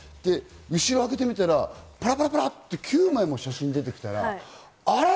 後ろ開けてみたらパラパラと９枚も写真が出てきたら、あれ？